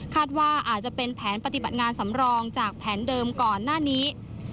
ว่าอาจจะเป็นแผนปฏิบัติงานสำรองจากแผนเดิมก่อนหน้านี้